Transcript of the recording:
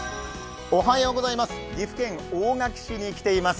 岐阜県大垣市に来ています。